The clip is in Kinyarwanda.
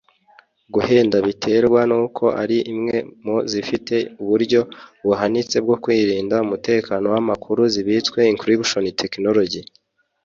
Guhenda biterwa n’uko ari imwe mu zifite uburyo buhanitse bwo kurinda umutekano w’amakuru zibitse (encryption technology)